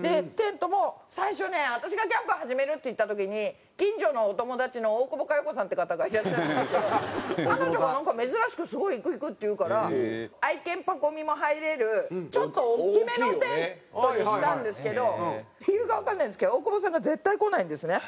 でテントも最初ね私がキャンプ始めるって言った時に近所のお友達の大久保佳代子さんって方がいらっしゃるんですけど彼女がなんか珍しくすごい行く行くって言うから愛犬パコ美も入れるちょっと大きめのテントにしたんですけど理由がわかんないんですけど大久保さんが絶対来ないんですね。